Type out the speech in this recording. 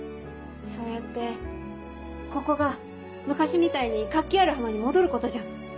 そうやってここが昔みたいに活気ある浜に戻ることじゃん。